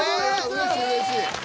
うれしいうれしい。